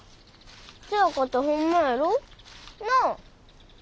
せやかてホンマやろ？なあ？